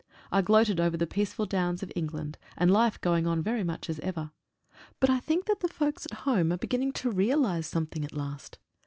I gloated over the peaceful downs of England, and life going on very much as ever. But I think that the folks at home are begin ning to realise something at last.